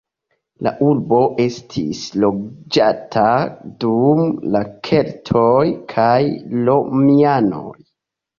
La urbo estis loĝata dum la keltoj kaj romianoj.